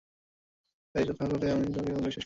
–এই কথা আমাকে বলো যে, তুমি আমাকে কখনো অবিশ্বাস করিবে না।